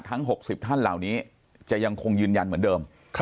๖๐ท่านเหล่านี้จะยังคงยืนยันเหมือนเดิม